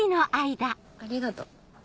ありがと。